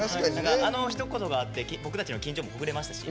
あのひと言があって僕たちの緊張ほぐれましたし。